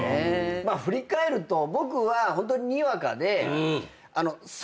まあ振り返ると僕はホントにわかで。